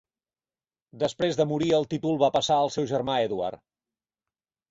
Després de morir, el títol va passar al seu germà Edward.